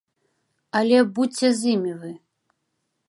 Але будзьце з імі вы.